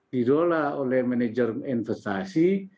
didola oleh manajer investasi